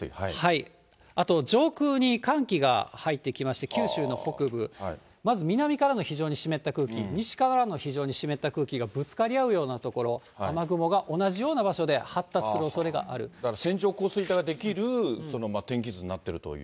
あと上空に寒気が入ってきまして、九州の北部、まず南からの非常に湿った空気、西からの非常に湿った空気がぶつかり合うような所、雨雲が同じような場所で発だから線状降水帯が出来る天気図になってるという。